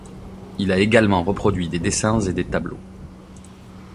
Il a également reproduits des dessins et des tableaux.